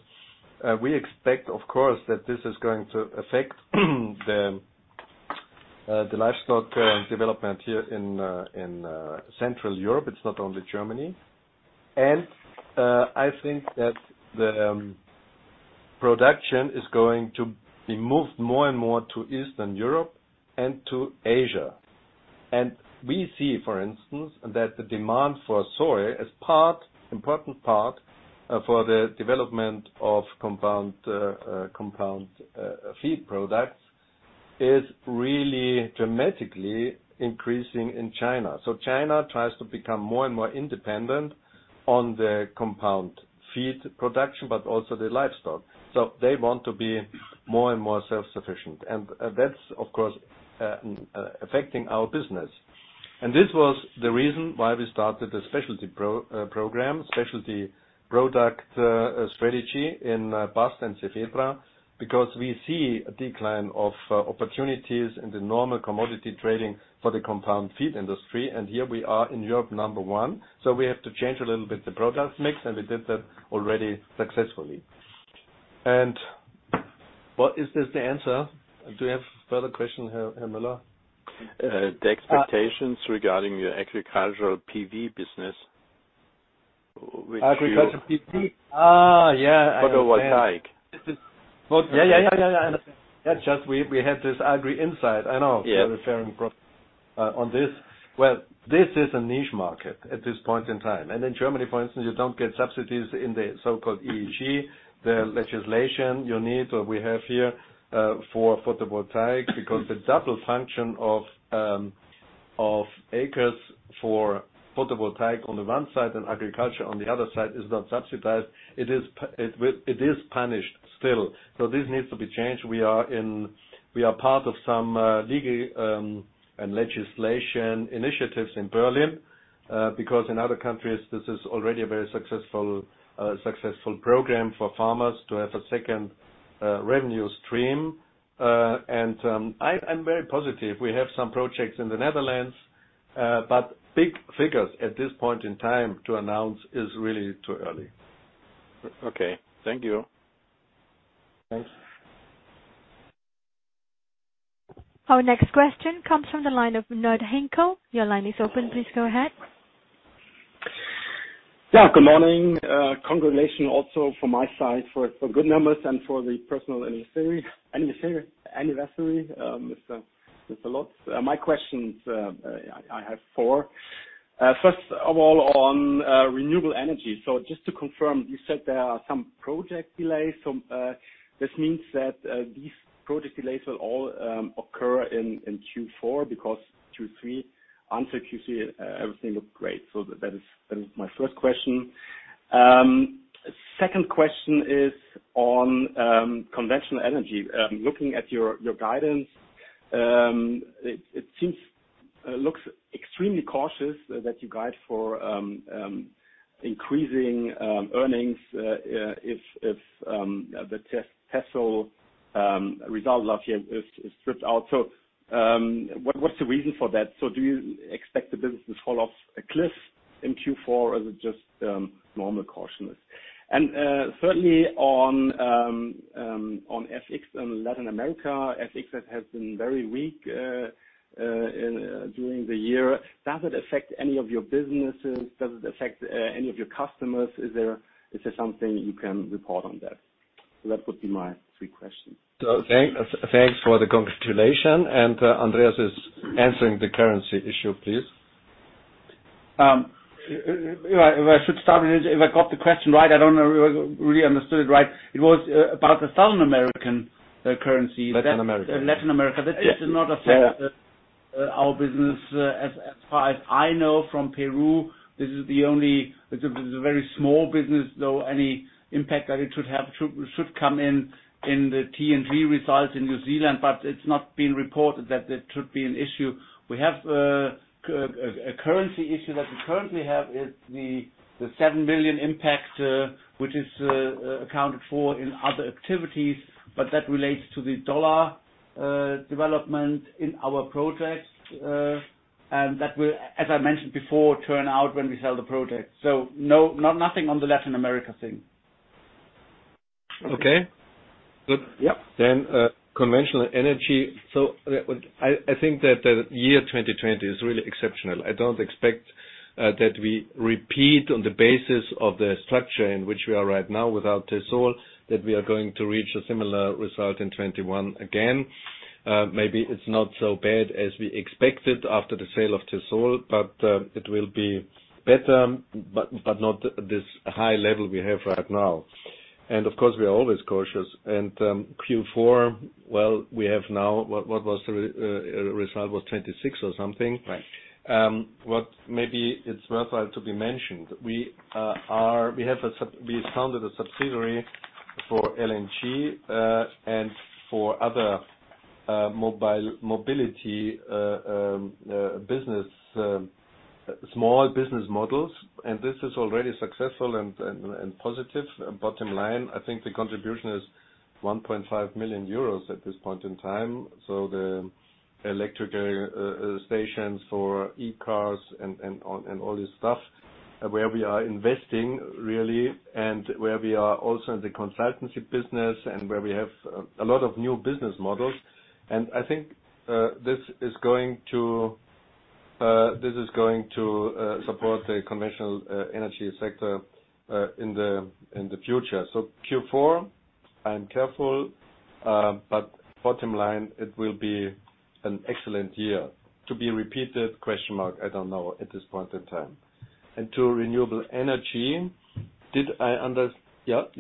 we expect, of course, that this is going to affect the livestock development here in Central Europe. It's not only Germany. I think that the production is going to be moved more and more to Eastern Europe and to Asia. We see, for instance, that the demand for soy as an important part for the development of compound feed products, is really dramatically increasing in China. China tries to become more and more independent on the compound feed production, but also the livestock. They want to be more and more self-sufficient, and that's, of course, affecting our business. This was the reason why we started a specialty program, specialty product strategy in BAST and Cefetra, because we see a decline of opportunities in the normal commodity trading for the compound feed industry. Here we are in Europe, number one, so we have to change a little bit the product mix, and we did that already successfully. Is this the answer? Do you have further question, Mr. Müller? The expectations regarding your agricultural PV business. Agricultural PV. Yeah, I understand. Photovoltaic. I understand. That's just, we had this agri insight. I know. Yeah. You're referring on this. Well, this is a niche market at this point in time. In Germany, for instance, you don't get subsidies in the so-called EEG, the legislation you need, or we have here, for photovoltaic, because the double function of acres for photovoltaic on the one side and agriculture on the other side is not subsidized. It is punished still. This needs to be changed. We are part of some legal and legislation initiatives in Berlin, because in other countries, this is already a very successful program for farmers to have a second revenue stream. I'm very positive. We have some projects in the Netherlands. Big figures at this point in time to announce is really too early. Okay. Thank you. Thanks. Our next question comes from the line of Knud Hinkel. Your line is open. Please go ahead. Good morning. Congratulations also from my side for good numbers and for the personal anniversary, Mr. Lutz. My questions, I have four. First of all, on renewable energy. Just to confirm, you said there are some project delays. This means that these project delays will all occur in Q4 because Q3, until Q3, everything looked great. That is my first question. Second question is on conventional energy. Looking at your guidance, it seems extremely cautious that you guide for increasing earnings if the Tessol result last year is stripped out. What's the reason for that? Do you expect the business to fall off a cliff in Q4, or is it just normal cautiousness? Thirdly, on FX and Latin America. FX has been very weak during the year. Does it affect any of your businesses? Does it affect any of your customers? Is there something you can report on that? That would be my three questions. Thanks for the congratulations, and Andreas is answering the currency issue, please. If I should start, if I got the question right, I don't know if I really understood it right. It was about the South American currency. Latin America. Latin America. That does not affect our business as far as I know from Peru. This is a very small business, though any impact that it should have should come in the T&G results in New Zealand, but it's not been reported that it should be an issue. A currency issue that we currently have is the 7 million impact, which is accounted for in other activities, but that relates to the dollar development in our projects. That will, as I mentioned before, turn out when we sell the project. Nothing on the Latin America thing. Okay. Good. Yep. Conventional energy. I think that the year 2020 is really exceptional. I don't expect that we repeat on the basis of the structure in which we are right now without Tessol, that we are going to reach a similar result in 2021 again. Maybe it's not so bad as we expected after the sale of Tessol, but it will be better, but not this high level we have right now. Of course, we are always cautious. Q4, well, we have now, what was the result, was 26 million or something. Right. What maybe it's worthwhile to be mentioned. We founded a subsidiary for LNG, and for other mobility business, small business models, and this is already successful and positive. Bottom line, I think the contribution is 1.5 million euros at this point in time. The electric stations for e-cars and all this stuff where we are investing really, and where we are also in the consultancy business and where we have a lot of new business models. I think this is going to support the conventional energy sector in the future. Q4, I'm careful. Bottom line, it will be an excellent year. To be repeated, question mark. I don't know at this point in time. To renewable energy. Did I? Yeah. Andreas?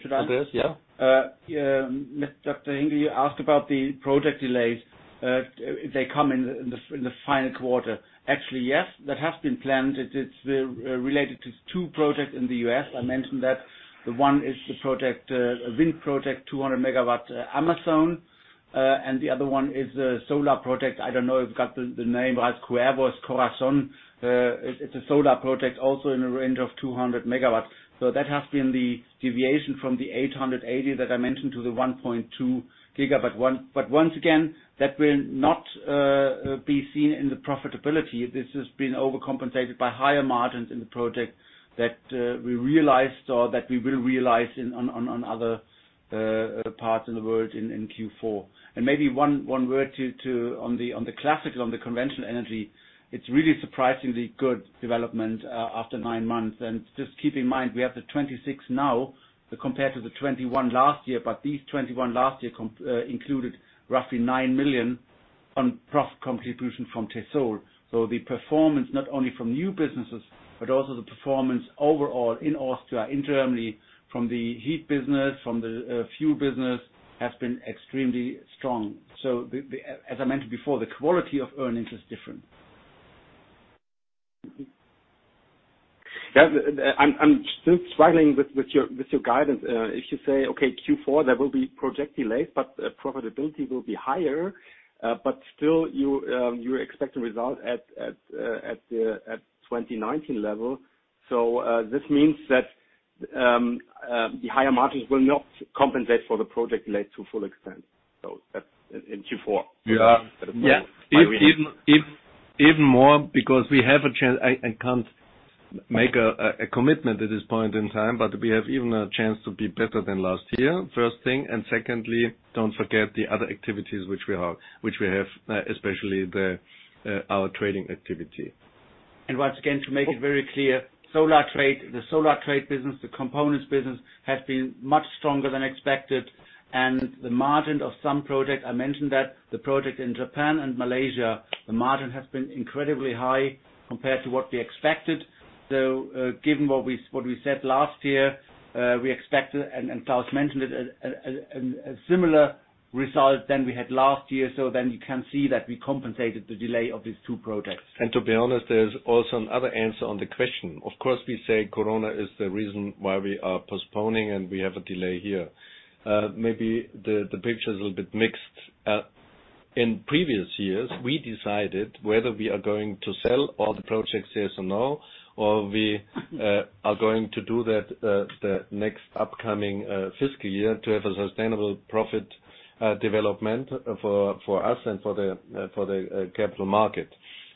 Should I? Yeah. Dr. Hinkel, you asked about the project delays. If they come in the final quarter. Actually, yes, that has been planned. It's related to two projects in the U.S. I mentioned that. The one is the wind project, 200 MW Amazon. The other one is a solar project. I don't know if you got the name right, Corazon Solar Project. It's a solar project also in a range of 200 MW. That has been the deviation from the 880 that I mentioned to the 1.2 GW. But once again, that will not be seen in the profitability. This has been overcompensated by higher margins in the project that we realized or that we will realize on other parts in the world in Q4. Maybe one word on the classical, on the conventional energy. It's really surprisingly good development after nine months. Just keep in mind, we have the 26 million now compared to the 21 million last year, but these 21 million last year included roughly 9 million on profit contribution from Tessol. The performance, not only from new businesses, but also the performance overall in Austria internally from the heat business, from the fuel business, has been extremely strong. As I mentioned before, the quality of earnings is different. I'm still struggling with your guidance. If you say, okay, Q4, there will be project delays, profitability will be higher. Still you expect the result at 2019 level. This means that the higher margins will not compensate for the project delay to full extent in Q4. Even more, because we have a chance. I can't make a commitment at this point in time, but we have even a chance to be better than last year, first thing. Secondly, don't forget the other activities which we have, especially our trading activity. Once again, to make it very clear, the solar trade business, the components business, has been much stronger than expected. The margin of some projects, I mentioned that the project in Japan and Malaysia, the margin has been incredibly high compared to what we expected. Given what we said last year, we expect, and Klaus mentioned it, a similar result than we had last year. You can see that we compensated the delay of these two projects. To be honest, there's also another answer on the question. Of course, we say corona is the reason why we are postponing and we have a delay here. Maybe the picture is a little bit mixed. In previous years, we decided whether we are going to sell all the projects, yes or no, or we are going to do that the next upcoming fiscal year to have a sustainable profit development for us and for the capital market,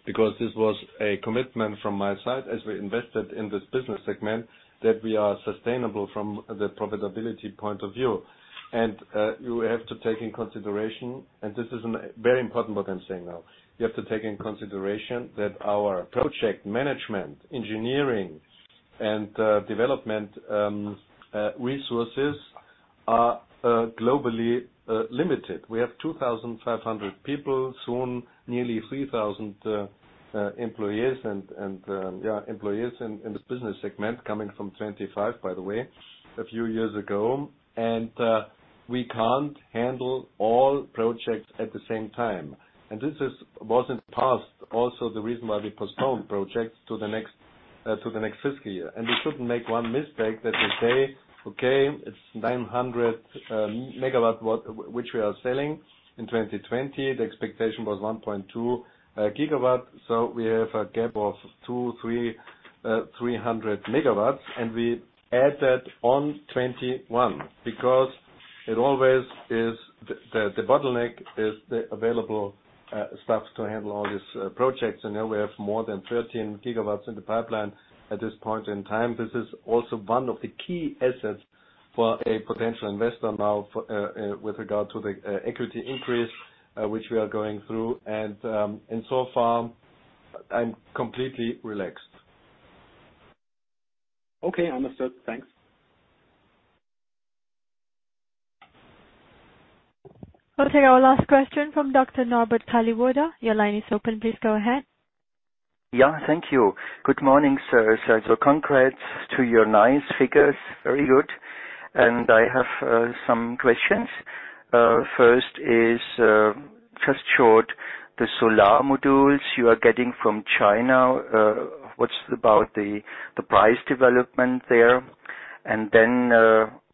because this was a commitment from my side as we invested in this business segment, that we are sustainable from the profitability point of view. You have to take into consideration, and this is very important what I'm saying now. You have to take into consideration that our project management, engineering, and development resources are globally limited. We have 2,500 people, soon nearly 3,000 employees in this business segment, coming from 25, by the way, a few years ago. We can't handle all projects at the same time. This was in the past also the reason why we postponed projects to the next fiscal year. We shouldn't make one mistake that we say, okay, it's 900 MW which we are selling in 2020. The expectation was 1.2 GW. We have a gap of 200 MW, 300 MW, and we add that on 2021 because the bottleneck is the available staffs to handle all these projects. Now we have more than 13 GW in the pipeline at this point in time. This is also one of the key assets for a potential investor now with regard to the equity increase which we are going through. So far I'm completely relaxed. Okay, understood. Thanks. We'll take our last question from Dr. Norbert Kalliwoda. Your line is open. Please go ahead. Yeah, thank you. Good morning, sirs. Congrats to your nice figures. Very good. I have some questions. First is, just short, the solar modules you are getting from China, what's about the price development there?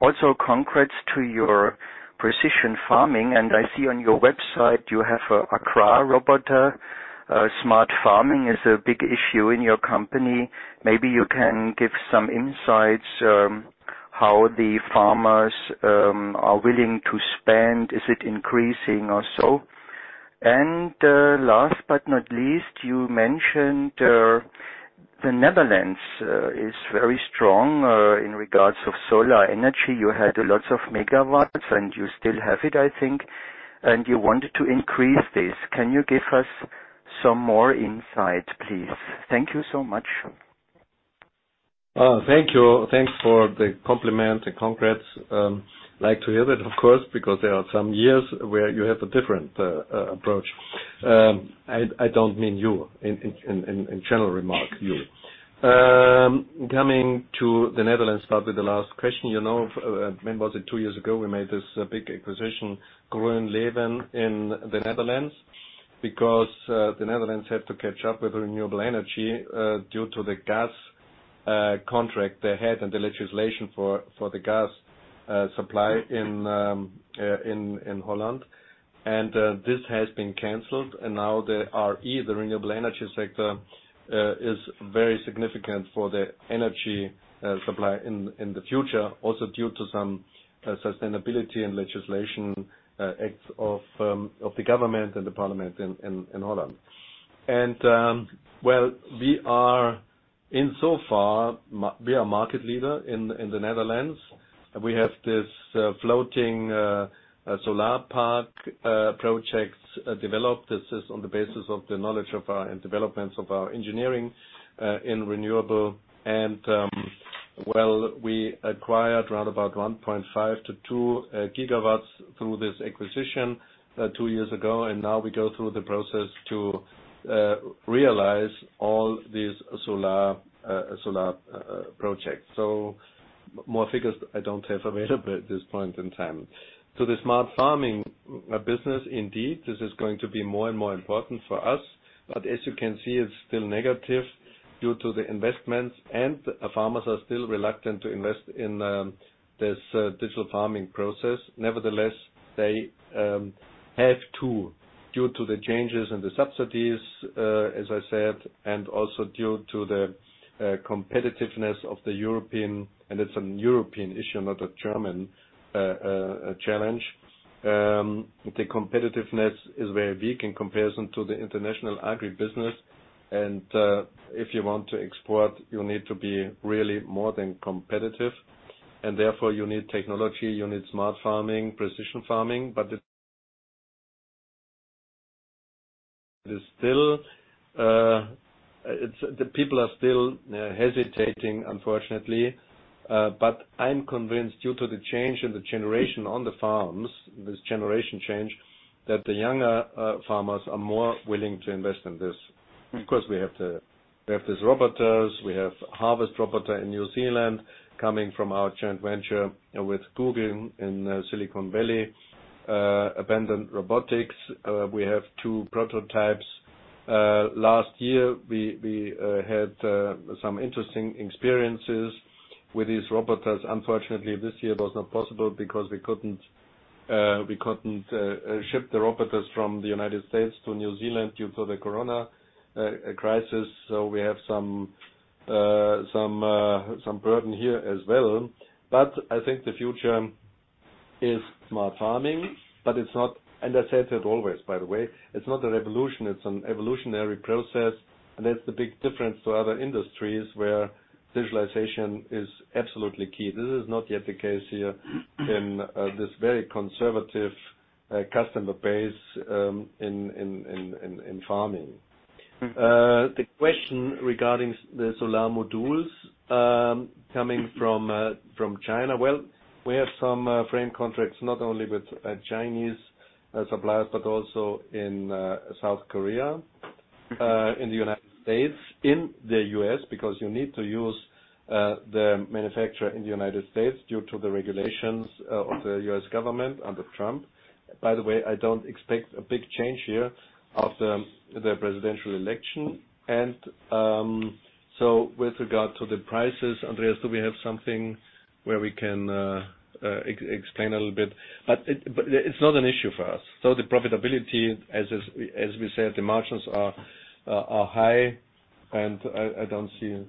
Also, congrats to your precision farming, and I see on your website you have an aCar robot. Smart farming is a big issue in your company. Maybe you can give some insights how the farmers are willing to spend. Is it increasing or so? Last but not least, you mentioned the Netherlands is very strong in regards of solar energy. You had lots of megawatts, and you still have it, I think, and you wanted to increase this. Can you give us some more insight, please? Thank you so much. Thank you. Thanks for the compliment and congrats. Like to hear that, of course, because there are some years where you have a different approach. I don't mean you in general remark you. Coming to the Netherlands. Start with the last question. When was it? Two years ago, we made this big acquisition, GroenLeven, in the Netherlands, because the Netherlands had to catch up with renewable energy due to the gas contract they had and the legislation for the gas supply in Holland. This has been canceled. Now the RE, the renewable energy sector, is very significant for the energy supply in the future, also due to some sustainability and legislation acts of the government and the parliament in Holland. Well, we are insofar, we are market leader in the Netherlands. We have this floating solar park projects developed. This is on the basis of the knowledge of our and developments of our engineering in renewable. Well, we acquired around about 1.5 GW to 2 GW through this acquisition two years ago, and now we go through the process to realize all these solar projects. More figures I don't have available at this point in time. The smart farming business, indeed, this is going to be more and more important for us. As you can see, it's still negative due to the investments, and farmers are still reluctant to invest in this digital farming process. Nevertheless, they have to, due to the changes in the subsidies, as I said, and also due to the competitiveness of the European Union. It's a European issue, not a German challenge. The competitiveness is very weak in comparison to the international agribusiness. If you want to export, you need to be really more than competitive, and therefore you need technology, you need smart farming, precision farming. The people are still hesitating, unfortunately. I'm convinced due to the change in the generation on the farms, this generation change, that the younger farmers are more willing to invest in this. Of course, we have these robots. We have harvest robot in New Zealand coming from our joint venture with Google in Silicon Valley, Abundant Robotics. We have two prototypes. Last year, we had some interesting experiences with these robots. Unfortunately, this year was not possible because we couldn't ship the robots from the U.S. to New Zealand due to the corona crisis. We have some burden here as well. I think the future is smart farming. I said it always, by the way. It's not a revolution. It's an evolutionary process. That's the big difference to other industries where digitalization is absolutely key. This is not yet the case here in this very conservative customer base in farming. The question regarding the solar modules coming from China. Well, we have some frame contracts, not only with Chinese suppliers, but also in South Korea, in the United States. In the U.S., because you need to use the manufacturer in the United States due to the regulations of the U.S. government under Trump. By the way, I don't expect a big change here after the presidential election. With regard to the prices, Andreas, do we have something where we can explain a little bit? It's not an issue for us. The profitability, as we said, the margins are high, and I don't see.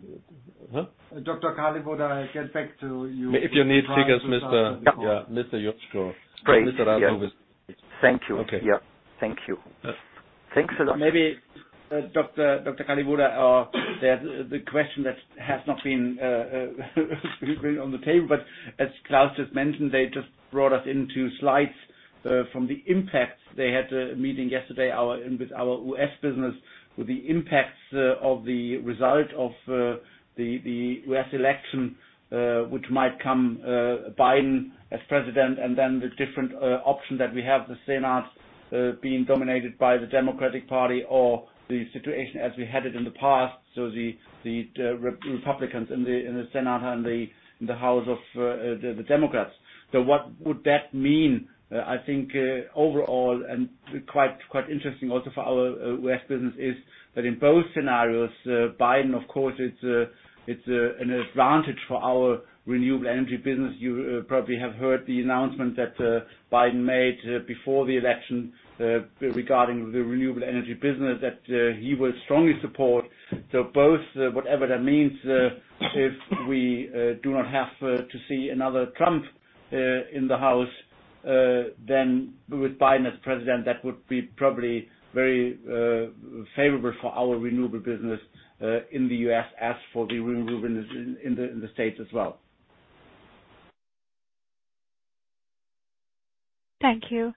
Huh? Dr. Kalliwoda, I get back to you. If you need figures, [Mr. Jochum] or [Mr. Rathgeb]. Great. Yes. Thank you. Okay. Yeah. Thank you. Thanks a lot. Maybe, Dr. Kalliwoda, the question that has not been really on the table, but as Klaus just mentioned, they just brought us into slides from the impact. They had a meeting yesterday with our U.S. business, with the impacts of the result of the U.S. election, which might come, Biden as president, and then the different options that we have, the Senate being dominated by the Democratic Party or the situation as we had it in the past, the Republicans in the Senate and the House of the Democrats. What would that mean? I think overall, and quite interesting also for our U.S. business is that in both scenarios, Biden, of course, it's an advantage for our Renewable Energy business. You probably have heard the announcement that Biden made before the election regarding the Renewable Energy business that he will strongly support. Both, whatever that means, if we do not have to see another Trump in the House, then with Biden as president, that would be probably very favorable for our renewable business in the U.S. as for the renewable business in the States as well. Thank you.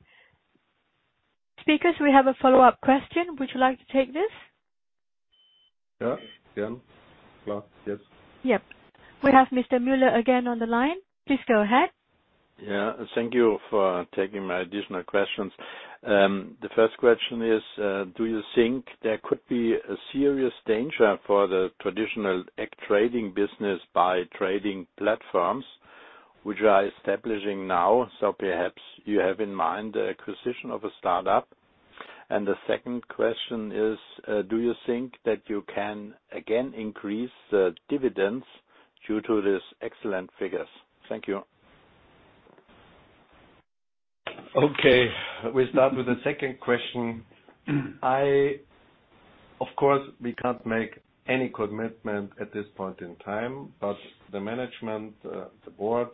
Speakers, we have a follow-up question. Would you like to take this? Yeah. Klaus? Yes. Yep. We have Mr. Müller again on the line. Please go ahead. Yeah. Thank you for taking my additional questions. The first question is, do you think there could be a serious danger for the traditional ag trading business by trading platforms, which are establishing now? Perhaps you have in mind the acquisition of a startup. The second question is, do you think that you can again increase the dividends due to these excellent figures? Thank you. Okay. We start with the second question. Of course, we can't make any commitment at this point in time. The management, the board,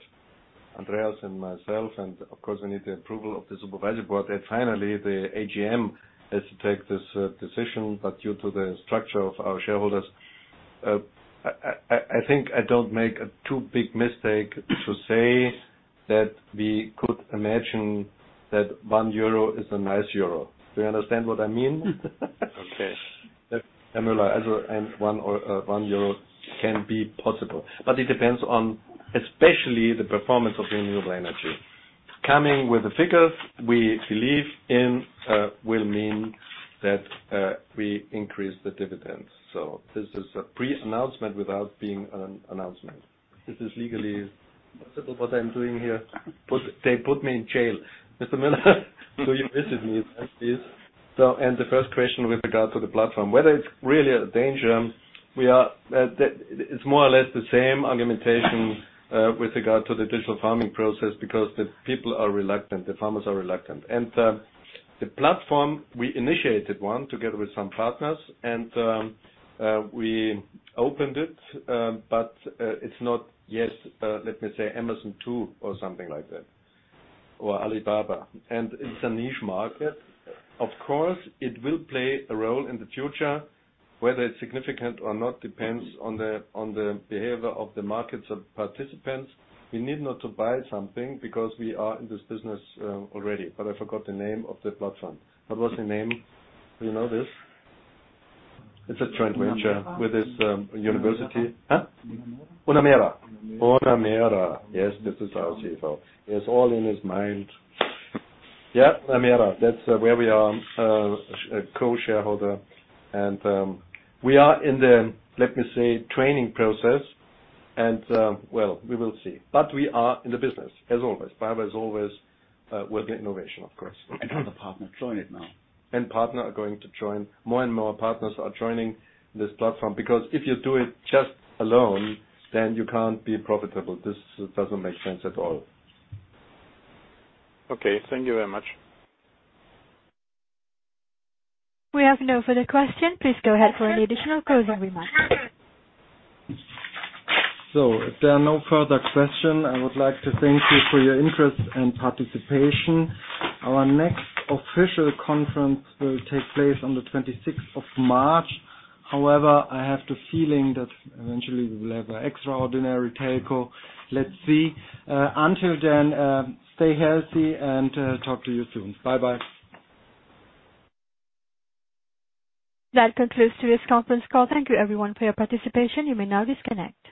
Andreas and myself, and of course, we need the approval of the supervisory board, and finally, the AGM has to take this decision. Due to the structure of our shareholders, I think I don't make a too big mistake to say that we could imagine that one euro is a nice euro. Do you understand what I mean? Okay. That, Mr. Müller, as one euro can be possible. It depends on especially the performance of the renewable energy. Coming with the figures we believe in will mean that we increase the dividends. This is a pre-announcement without being an announcement. This is legally possible what I'm doing here. They put me in jail, Mr. Müller, you visit me as it is. The first question with regard to the platform, whether it's really a danger, it's more or less the same argumentation with regard to the digital farming process because the people are reluctant, the farmers are reluctant. The platform, we initiated one together with some partners and we opened it, but it's not yet, let me say, Amazon 2 or something like that, or Alibaba. It's a niche market. Of course, it will play a role in the future. Whether it's significant or not depends on the behavior of the markets of participants. We need not to buy something because we are in this business already. I forgot the name of the platform. What was the name? Do you know this? It's a joint venture with this university. Huh? Unamera. Unamera. This is our CFO. It's all in his mind. Unamera. That's where we are co-shareholder and we are in the, let me say, training process and, well, we will see. We are in the business as always. BayWa is always working innovation, of course. Other partners join it now. Partner are going to join. More and more partners are joining this platform because if you do it just alone, then you can't be profitable. This doesn't make sense at all. Okay. Thank you very much. We have no further question. Please go ahead for any additional closing remarks. If there are no further question, I would like to thank you for your interest and participation. Our next official conference will take place on the 26th of March. However, I have the feeling that eventually we will have an extraordinary telecall. Let's see. Until then, stay healthy and talk to you soon. Bye-bye. That concludes today's conference call. Thank you everyone for your participation. You may now disconnect.